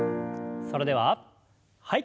それでははい。